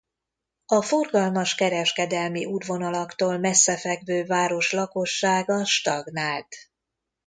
A forgalmas kereskedelmi útvonalaktól messze fekvő város lakossága stagnált.